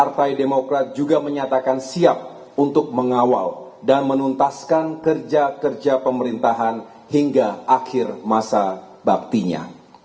partai demokrat juga menyatakan siap untuk mengawal dan menuntaskan kerja kerja pemerintahan hingga akhir masa baktinya